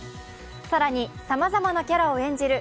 更に、さまざまなキャラを演じる